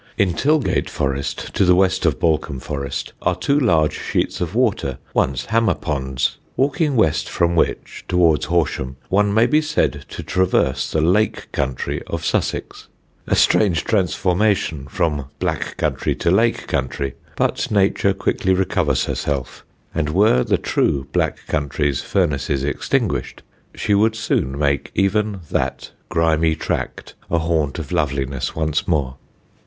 In Tilgate Forest, to the west of Balcombe Forest, are two large sheets of water, once hammer ponds, walking west from which, towards Horsham, one may be said to traverse the Lake Country of Sussex. A strange transformation, from Iron Black Country to Lake Country! but nature quickly recovers herself, and were the true Black Country's furnaces extinguished, she would soon make even that grimy tract a haunt of loveliness once more.